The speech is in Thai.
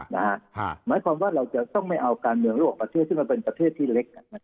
หมายความว่าเราจะต้องไม่เอาการเมืองระหว่างประเทศซึ่งมันเป็นประเทศที่เล็ก